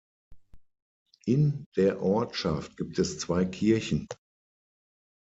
In der Ortschaft gibt es zwei Kirchen.